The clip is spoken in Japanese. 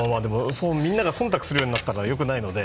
みんなが忖度するようになったら良くないので。